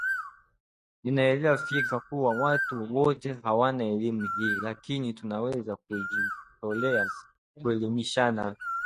Ninaelewa fika kuwa watu wote hawana elimu hii, lakini tunaweza kujitolea kuelimishana